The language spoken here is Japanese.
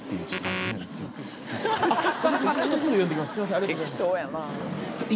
ありがとうございます。